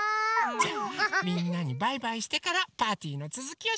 じゃあみんなにバイバイしてからパーティーのつづきをしましょ。